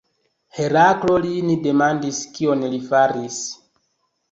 Heraklo lin demandis kion li faris.